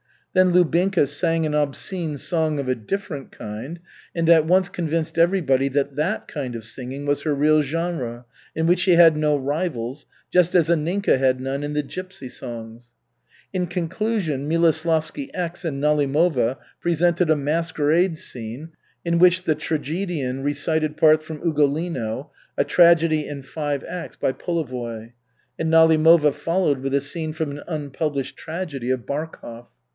Then Lubinka sang an obscene song of a different kind, and at once convinced everybody that that kind of singing was her real genre, in which she had no rivals, just as Anninka had none in the gypsy songs. In conclusion, Miloslavsky X and Nalimova presented a "masquerade scene" in which the tragedian recited parts from Ugolino (a tragedy in five acts, by Polevoy), and Nalimova followed with a scene from an unpublished tragedy of Barkov.